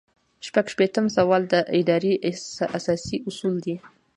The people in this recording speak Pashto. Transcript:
شپږ شپیتم سوال د ادارې اساسي اصول دي.